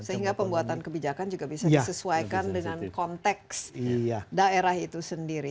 sehingga pembuatan kebijakan juga bisa disesuaikan dengan konteks daerah itu sendiri